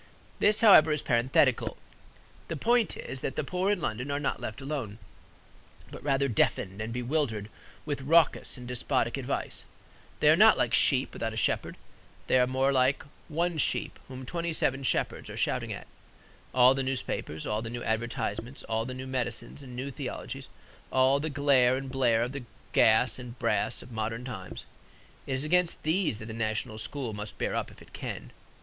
This, however, is parenthetical. The point is, that the poor in London are not left alone, but rather deafened and bewildered with raucous and despotic advice. They are not like sheep without a shepherd. They are more like one sheep whom twenty seven shepherds are shouting at. All the newspapers, all the new advertisements, all the new medicines and new theologies, all the glare and blare of the gas and brass of modern times it is against these that the national school must bear up if it can.